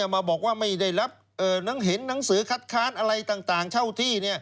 มาบอกว่าไม่ได้รับเห็นหนังสือคัดค้านอะไรต่างเช่าที่